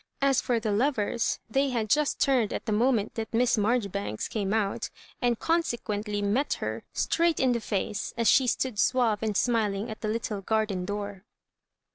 As for the lovers, they had just turned at the moment that Miss Marjori banks came out, and consequently met her straight in the face, as she stood suave and smil ing at the little garden door.